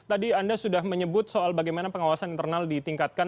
tadi anda sudah menyebut soal bagaimana pengawasan internal ditingkatkan